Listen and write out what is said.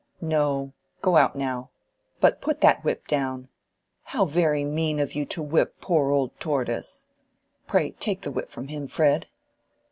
"No, go out now. But put that whip down. How very mean of you to whip poor old Tortoise! Pray take the whip from him, Fred."